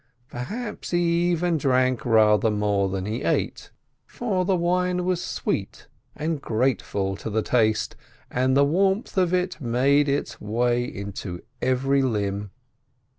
Per haps he even drank rather more than he ate, for the wine was sweet and grateful to the taste, and the warmth of it made its way into every limb.